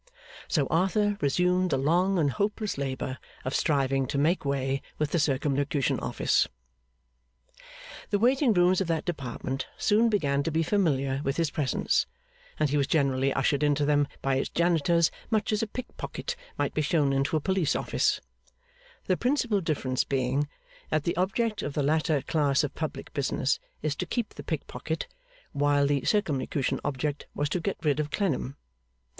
So Arthur resumed the long and hopeless labour of striving to make way with the Circumlocution Office. The waiting rooms of that Department soon began to be familiar with his presence, and he was generally ushered into them by its janitors much as a pickpocket might be shown into a police office; the principal difference being that the object of the latter class of public business is to keep the pickpocket, while the Circumlocution object was to get rid of Clennam.